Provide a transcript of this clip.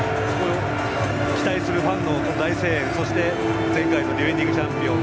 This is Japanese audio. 期待するファンの大声援そして前回のディフェンディングチャンピオン